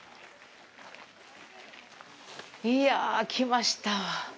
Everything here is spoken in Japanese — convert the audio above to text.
いやぁ、来ました！